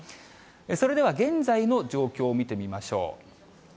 それでは現在の状況見てみましょう。